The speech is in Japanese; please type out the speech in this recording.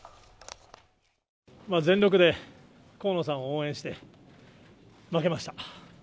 全力で河野さんを応援して、負けました。